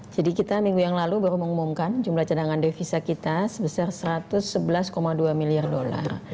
jadi kita minggu yang lalu baru mengumumkan jumlah cadangan devisa kita sebesar satu ratus sebelas dua miliar dolar